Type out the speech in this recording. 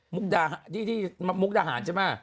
มุกดาหารที่ที่มุกดาหารใช่ไหม